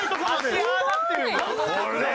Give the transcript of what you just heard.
足ああなってるんだ！